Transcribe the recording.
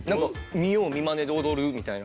見よう見まねで踊るみたいな。